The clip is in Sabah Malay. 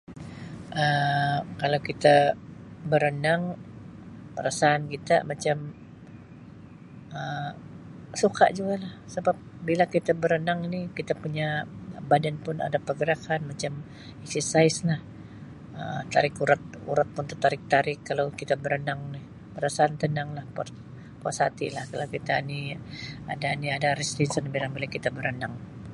Um Kalau kita berenang perasaan kita macam Um suka juga lah sabab bila kita berenang ini kita punya badan pun ada pegerakan macam iksisais lah Um tarik urat urat pun tetarik tarik kalau kita berenang ni perasaan tenang lah pu-puas hati lah kalau kita ni ada ni ada rilis tensen bila kita berenang.